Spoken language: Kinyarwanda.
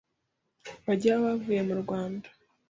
bajyayo bavuye mu Rwanda